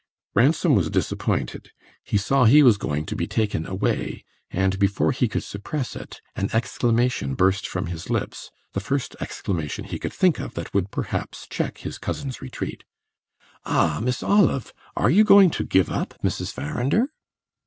Ransom was disappointed; he saw he was going to be taken away, and, before he could suppress it, an exclamation burst from his lips the first exclamation he could think of that would perhaps check his cousin's retreat: "Ah, Miss Olive, are you going to give up Mrs. Farrinder?"